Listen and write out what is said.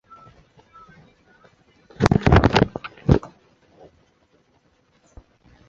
你不能这样做